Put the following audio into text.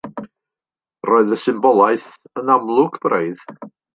Roedd y symbolaeth yn amlwg braidd.